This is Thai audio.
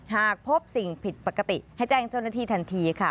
หากพบสิ่งผิดปกติให้แจ้งเจ้าหน้าที่ทันทีค่ะ